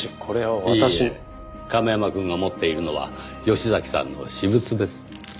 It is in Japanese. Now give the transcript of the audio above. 亀山くんが持っているのは吉崎さんの私物です。